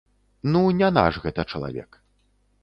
Ну не наш гэта чалавек.